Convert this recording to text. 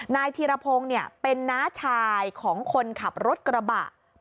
นายธีรพงศ์เป็นน้าชายของคนขับรถกระบะ